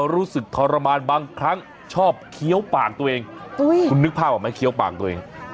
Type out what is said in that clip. รู้สึกทรมานบางครั้งชอบเคี้ยวปากตัวเองคุณนึกภาพออกไหมเคี้ยวปากตัวเอง